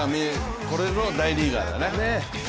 これぞ大リーガーだね。